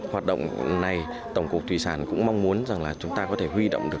hoạt động này tổng cục thủy sản cũng mong muốn rằng là chúng ta có thể huy động được